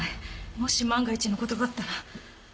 もし万が一のことがあったら。